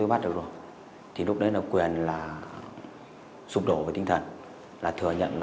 và em khẳng định luôn